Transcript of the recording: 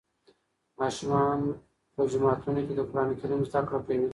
ماشومان په جوماتونو کې د قرآن کریم زده کړه کوي.